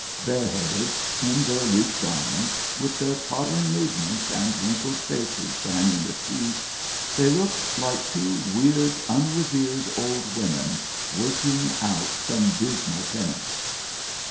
Bare headed, in their loose garments, with their pottering movements and wrinkled faces shining with heat, they looked like two weird, unrevered old women working out some dismal penance.